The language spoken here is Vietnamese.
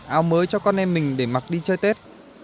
áo mới cho con em mình để mặc đi chơi tết